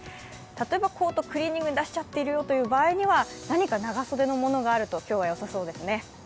例えばコート、クリーニングに出しちゃっているよという場合には何か長袖のものがあると今日はよさそうですね。